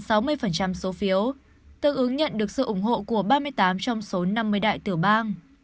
số phiếu tương ứng nhận được sự ủng hộ của ba mươi tám trong số năm mươi đại tử bang